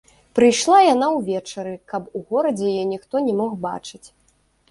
Прыйшла яна ўвечары, каб у горадзе яе ніхто не мог бачыць.